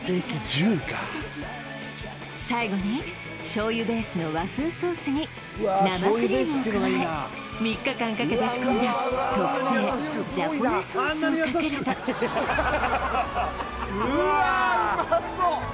最後に醤油ベースの和風ソースに生クリームを加え３日間かけて仕込んだ特製ジャポネソースをかければうわーっうまそう！